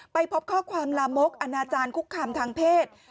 ไปพบข้อความลามกอนาจารย์คุกคามทางเพศ